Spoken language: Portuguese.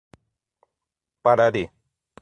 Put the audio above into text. Parari